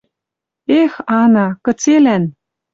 Эх, Ана... Кыцелӓн